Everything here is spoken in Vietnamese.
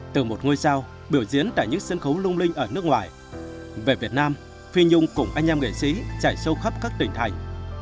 từ một ngôi sao biểu diễn tại những sân khấu lung linh ở nước ngoài về việt nam phi nhung cùng anh em nghệ sĩ trải sâu khắp các tỉnh thành